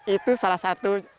itu salah satu